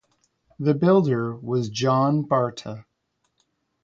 The builder was John Barta.